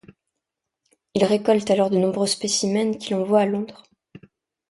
Il récolte alors de nombreux spécimens qu'il envoie à Londres.